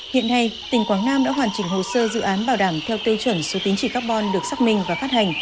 hiện nay tỉnh quảng nam đã hoàn chỉnh hồ sơ dự án bảo đảm theo tiêu chuẩn số tính trị carbon được xác minh và phát hành